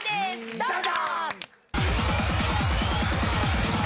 どうぞ！